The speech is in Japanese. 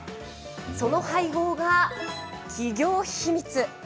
その配合が企業秘密。